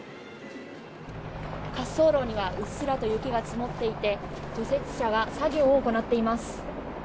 滑走路にはうっすらと雪が積もっていて除雪車が作業を行っています。